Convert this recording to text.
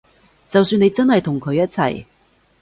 就算你真係同佢一齊